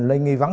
lên nghi vấn